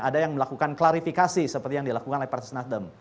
ada yang melakukan klarifikasi seperti yang dilakukan oleh partai nasdem